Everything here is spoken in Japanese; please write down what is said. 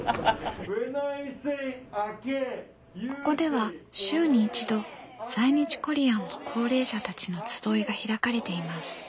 ここでは週に一度在日コリアンの高齢者たちの集いが開かれています。